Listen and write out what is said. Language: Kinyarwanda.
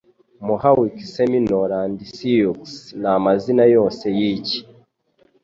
Mohawk Seminole & Sioux Namazina Yose Yiki